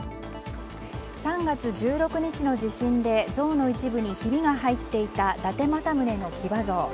３月１６日の地震で像の一部にひびが入っていた伊達政宗の騎馬像。